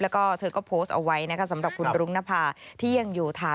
แล้วก็เธอก็โพสต์เอาไว้นะคะสำหรับคุณรุ้งนภาที่ยังอยู่ฐาน